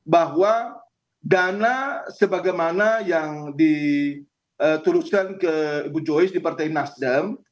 bahwa dana sebagaimana yang dituliskan ke ibu joys di partai nasdem